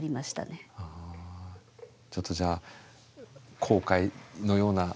ちょっとじゃあ後悔のような？